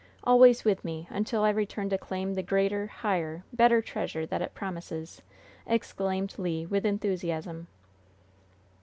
Always with me, until I return to claim the greater, higher, better treasure that it promises!" exclaimed Le, with enthusiasm.